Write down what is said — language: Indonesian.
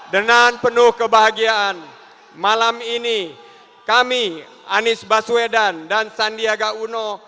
dengan penuh kebahagiaan malam ini kami anies baswedan dan sandiaga uno